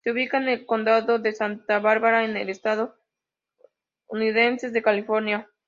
Se ubica en el condado de Santa Bárbara en el estado estadounidense de California.